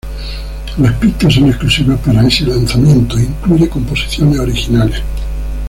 Las pistas son exclusivas para este lanzamiento e incluye composiciones originales.